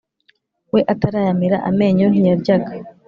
we atarayamera amenyo ntiyaryaga,